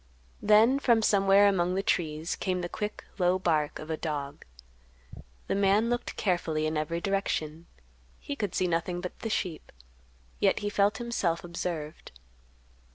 Then from somewhere among the trees came the quick, low bark of a dog. The man looked carefully in every direction; he could see nothing but the sheep, yet he felt himself observed.